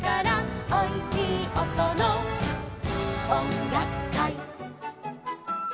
「おいしいおとのおんがくかい」